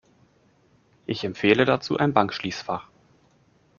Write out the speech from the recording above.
Ich empfehle dazu ein Bankschließfach.